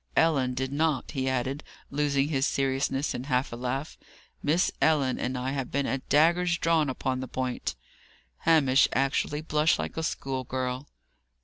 "Ellen did not," he added, losing his seriousness in a half laugh. "Miss Ellen and I have been at daggers drawn upon the point." Hamish actually blushed like a schoolgirl.